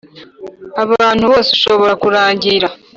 ahantu hose ushobora kurangirira,